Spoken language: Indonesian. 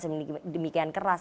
sedemikian lama sedemikian keras